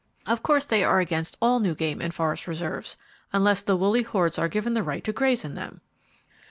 Of course they are against all new game and forest reserves,—unless the woolly hordes are given the right to graze in them!